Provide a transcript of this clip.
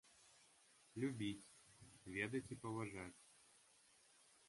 Любіць, ведаць і паважаць.